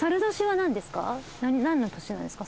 何の年なんですか？